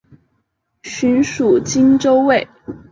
寻属靖州卫。